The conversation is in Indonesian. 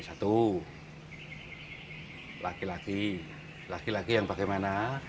satu laki laki laki laki yang bagaimana